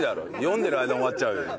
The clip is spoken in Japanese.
読んでる間に終わっちゃうよ。